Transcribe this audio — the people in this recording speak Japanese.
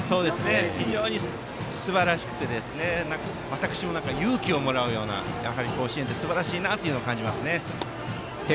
非常にすばらしくて私も勇気をもらうような甲子園ってすばらしいなと感じますね。